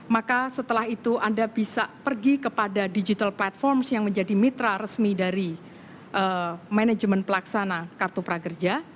maka setelah itu anda bisa pergi kepada digital platform yang menjadi mitra resmi dari manajemen pelaksana kartu prakerja